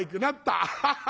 アッハハ！